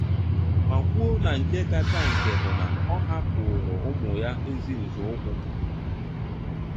ma kwuo na nke kacha nke bụ na ọ hapụụrụ ụmụ ya ezi nzọụkwụ